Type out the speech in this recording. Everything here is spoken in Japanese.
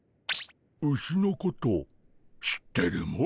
ウシのこと知ってるモ？